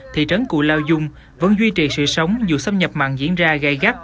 thị trấn cụ lao dung vẫn duy trì sự sống dù xâm nhập mặn diễn ra gây gấp